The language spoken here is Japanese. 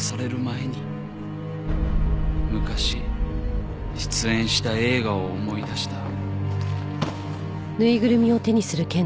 昔出演した映画を思い出した。